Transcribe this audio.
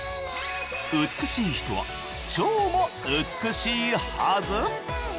美しい人は腸も美しいはず！